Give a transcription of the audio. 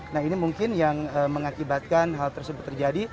nah ini mungkin yang mengakibatkan hal tersebut terjadi